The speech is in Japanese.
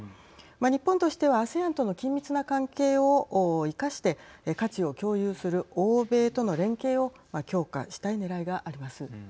日本としてはＡＳＥＡＮとの緊密な関係を生かして価値を共有する欧米との連携を強化したいねらいがあります。